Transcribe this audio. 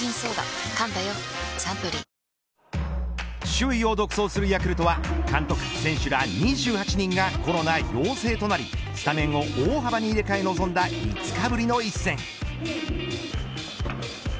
首位を独走するヤクルトは監督、選手ら２８人がコロナ陽性となりスタメンを大幅に入れ替え望んだ５日ぶりの一戦。